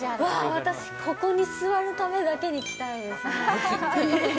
私、ここに座るためだけに来たい。